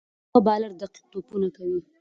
یو ښه بالر دقیق توپونه کوي.